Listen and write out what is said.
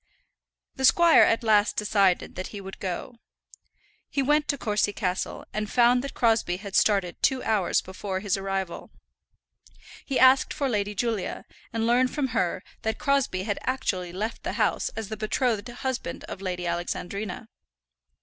The squire at last decided that he would go. He went to Courcy Castle, and found that Crosbie had started two hours before his arrival. He asked for Lady Julia, and learned from her that Crosbie had actually left the house as the betrothed husband of Lady Alexandrina.